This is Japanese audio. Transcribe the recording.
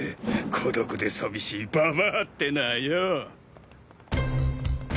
孤独で寂しいババアってのはよぉ！